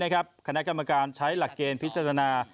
คณะกรรมการใช้หลักเกณฑ์พิจารณา